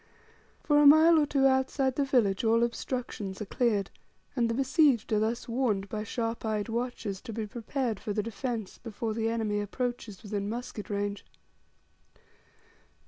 For a mile or two outside the village all obstructions are cleared, and the besieged are thus warned by sharp eyed watchers to be prepared for the defence before the enemy approaches within musket range.